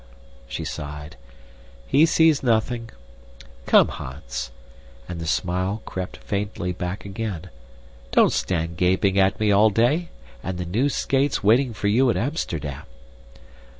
She sighed. "He sees nothing. Come, Hans" and the smile crept faintly back again "don't stand gaping at me all day, and the new skates waiting for you at Amsterdam."